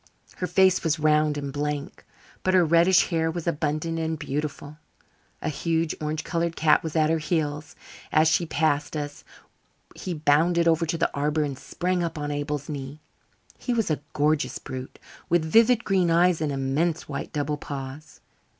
Her face was round and blank, but her reddish hair was abundant and beautiful. A huge, orange coloured cat was at her heels; as she passed us he bounded over to the arbour and sprang up on Abel's knee. He was a gorgeous brute, with vivid green eyes, and immense white double paws.